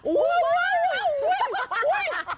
โอ้ย